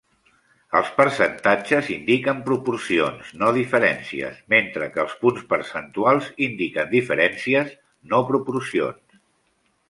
Els percentatges indiquen proporcions, no diferències, mentre que els punts percentuals indiquen diferències, no proporcions.